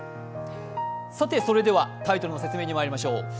それではタイトルの説明にまいりましょう。